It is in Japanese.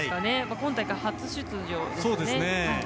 今大会初出場ですね。